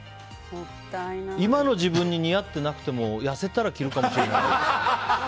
今の自分に似合ってなくても痩せたら着るかもしれないし。